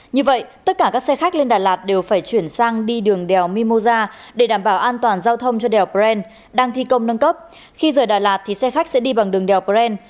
như vậy tất cả các xe khách lên đà lạt đều phải chuyển sang đi đường đèo mimosa để đảm bảo an toàn giao thông cho đèo brent đang thi công nâng cấp khi rời đà lạt thì xe khách sẽ đi bằng đường đèo bren